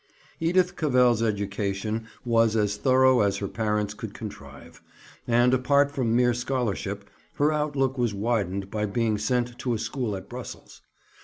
Edith Cavell's education was as thorough as her parents could contrive; and, apart from mere scholarship, her outlook was widened by being sent to a school at Brussels.